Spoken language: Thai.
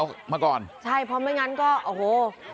จุดแก้มมีดมาก่อนใช่เพราะไม่งั้นก็โอ้โฮ